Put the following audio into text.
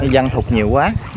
văn thục nhiều quá